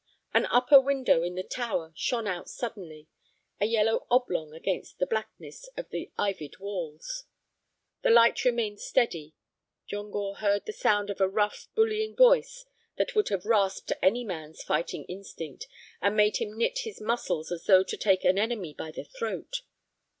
An upper window in the tower shone out suddenly, a yellow oblong against the blackness of the ivied walls. The light remained steady. John Gore heard the sound of a rough, bullying voice that would have rasped any man's fighting instinct and made him knit his muscles as though to take an enemy by the throat.